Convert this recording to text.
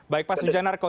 baik pak sujanarko